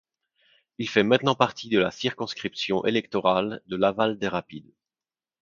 Il fait maintenant partie de la circonscription électorale de Laval-des-Rapides.